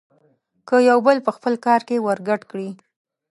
که يو بل په خپل کار کې ورګډ کړي.